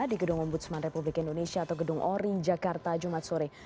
di gedung ombudsman republik indonesia atau gedung orin jakarta jumat sore